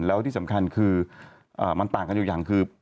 แล้วที่สำคัญคือมันต่างกันอยู่อย่างคือ